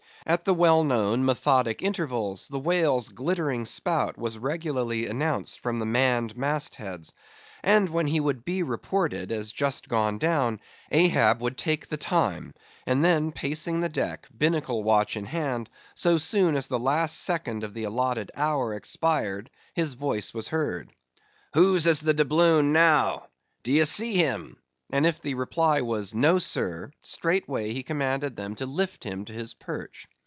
At the well known, methodic intervals, the whale's glittering spout was regularly announced from the manned mast heads; and when he would be reported as just gone down, Ahab would take the time, and then pacing the deck, binnacle watch in hand, so soon as the last second of the allotted hour expired, his voice was heard.—"Whose is the doubloon now? D'ye see him?" and if the reply was, No, sir! straightway he commanded them to lift him to his perch.